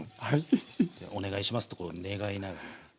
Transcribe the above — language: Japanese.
お願いしますとこう願いながら。